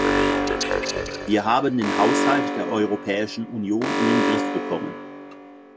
Wir haben den Haushalt der Europäischen Union in den Griff bekommen.